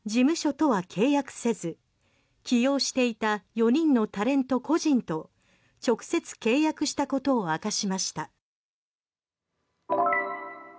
事務所とは契約せず起用していた４人のタレント個人と直接契約したことを明かしました。